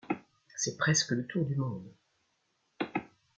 C’est presque le tour du monde !...